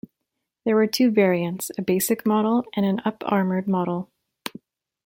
There were two variants; a basic model and an up-armored model.